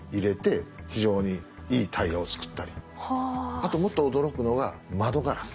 あともっと驚くのが窓ガラス。